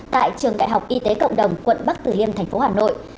tại trường đại học y tế cộng đồng quận bắc tử liêm tp hà nội